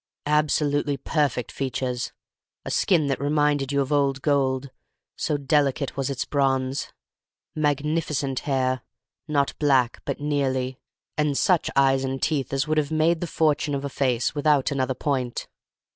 Absolutely perfect features; a skin that reminded you of old gold, so delicate was its bronze; magnificent hair, not black but nearly; and such eyes and teeth as would have made the fortune of a face without another point.